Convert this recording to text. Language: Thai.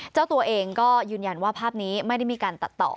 เจ้าตัวเองก็ยืนยันว่าภาพนี้ไม่ได้มีการตัดต่อ